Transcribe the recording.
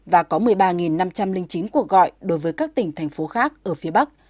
và có một mươi ba năm trăm linh chín cuộc gọi đối với các tỉnh thành phố khác ở phía bắc